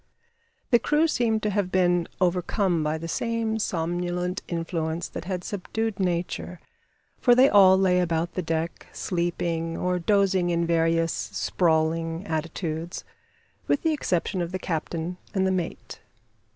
The crew seemed to have been overcome by the same somnolent influence that had subdued Nature, for they all lay about the deck sleeping or dozing in various sprawling attitudes, with the exception of the captain and the mate.